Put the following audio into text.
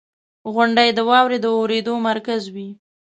• غونډۍ د واورې د اورېدو مرکز وي.